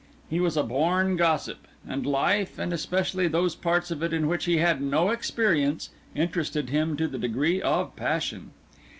He was a born gossip; and life, and especially those parts of it in which he had no experience, interested him to the degree of passion.